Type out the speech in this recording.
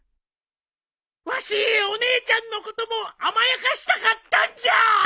わしお姉ちゃんのことも甘やかしたかったんじゃ！